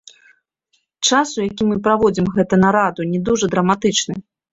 Час, у які мы праводзім гэта нараду, не дужа драматычны.